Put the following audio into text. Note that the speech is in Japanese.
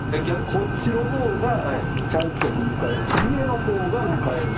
こっちの方がちゃんとお迎えする家の方が迎える。